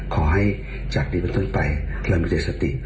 ขอให้จากดีกว่าต้นไปเราไม่ได้สติ